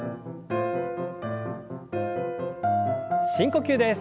深呼吸です。